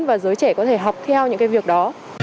và giới trẻ có thể học theo những cái việc đó